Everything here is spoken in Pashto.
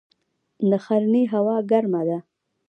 د ښرنې هوا ګرمه ده